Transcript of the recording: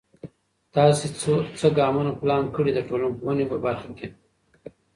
تاسې څه ګامونه پلان کړئ د ټولنپوهنې په برخه کې؟